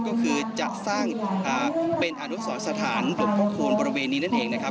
ก็คือจะสร้างเป็นอนุสรสถานหลวงพ่อโคนบริเวณนี้นั่นเองนะครับ